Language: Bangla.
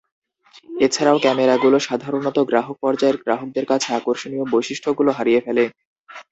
এছাড়া, ক্যামেরাগুলো সাধারণত গ্রাহক পর্যায়ের গ্রাহকদের কাছে আকর্ষণীয় বৈশিষ্ট্যগুলো হারিয়ে ফেলে।